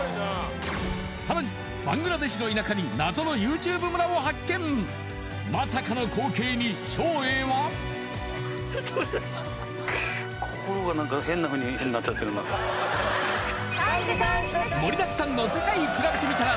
さらにバングラデシュの田舎に謎のＹｏｕＴｕｂｅ村を発見まさかの光景に昭英はクッ盛りだくさんの「世界くらべてみたら」